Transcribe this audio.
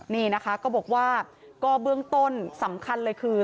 นี่นะคะก็บอกว่าก็เบื้องต้นสำคัญเลยคือ